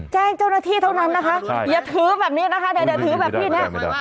แจ้งเจ้าหน้าที่เท่านั้นนะคะอย่าถือแบบนี้นะคะเดี๋ยวถือแบบพี่เนี่ย